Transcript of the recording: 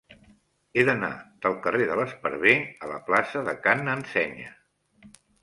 He d'anar del carrer de l'Esparver a la plaça de Ca n'Ensenya.